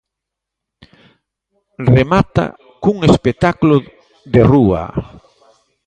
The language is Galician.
Remata cun espectáculo de rúa.